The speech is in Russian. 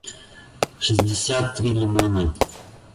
шестьдесят три лимона